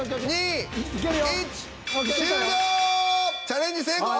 チャレンジ成功！